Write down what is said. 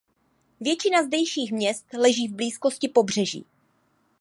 Většina zdejších měst leží v blízkosti pobřeží.